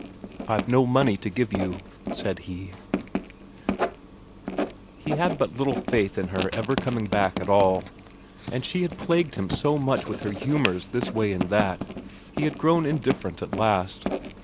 "I've no money to give you," said he. He had but little faith in her ever coming back at all, and she had plagued him so much with her humours this way and that; he had grown indifferent at last.